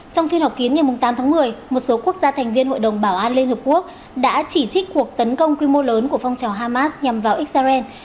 trong phiên họp kiến ngày tám tháng một mươi một số quốc gia thành viên hội đồng bảo an liên hợp quốc đã chỉ trích cuộc tấn công quy mô lớn của phong trào hamas nhằm vào israel